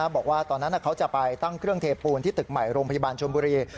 บอกว่าตอนนั้นเขาจะไปตั้งเครื่องเทปูนที่ตึกใหม่โรงพยาบาลชนบุรี